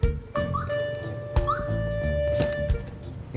jadi mau lagi